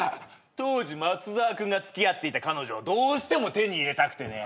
当時マツザワ君が付き合っていた彼女をどうしても手に入れたくてね。